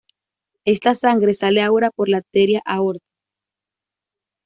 Esta sangre sale ahora por la arteria aorta.